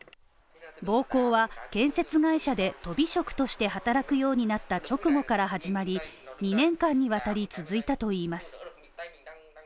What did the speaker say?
暴行は建設会社でとび職として働くようになった直後から始まり２年間にわたり続いたといいます。